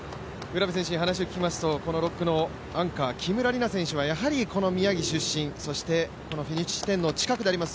卜部選手に話を聞きますと、６区のアンカー、木村梨七選手はこの宮城出身、フィニッシュ地点の近くであります